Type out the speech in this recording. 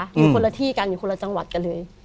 อยู่คนละที่กันอยู่คนละจังหวัดกันเลย